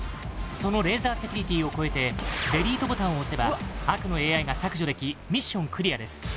そのレーザーセキュリティを超えてデリートボタンを押せば悪のＡＩが削除できミッションクリアです